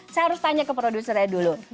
saya harus tanya ke produsernya dulu